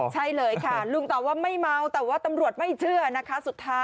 ใช่เลยค่ะลุงตอบว่าไม่เมาแต่ว่าตำรวจไม่เชื่อนะคะสุดท้าย